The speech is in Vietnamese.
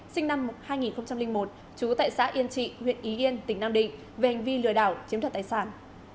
sinh năm hai nghìn một trú tại xã yên trị huyện y yên tỉnh nam định về hành vi lừa đảo chiếm đoạt tài sản